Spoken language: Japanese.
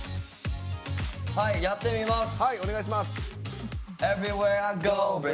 はい、やってみます。